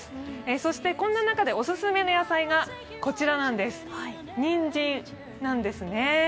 そしてこんな中でオススメの野菜がにんじんなんです。